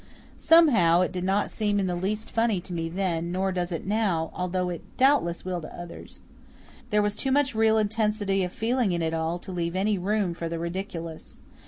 Somehow, it did not seem in the least funny to me then, nor does it now, although it doubtless will to others. There was too much real intensity of feeling in it all to leave any room for the ridiculous.